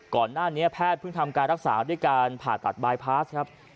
ก่อนหน้านี้แพทย์เพิ่งทำการรักษาด้วยการผ่าตัดบายพาสครับ